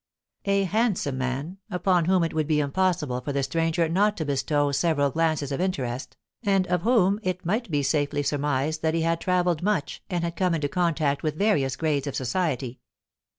A handsome man, upon whom it would be impossible for the stranger not to bestow several glances of interest, and of whom it might be safely surmised that he had travelled much and had come into contact with various grades of society.